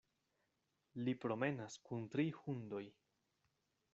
Li promenas kun tri hundoj.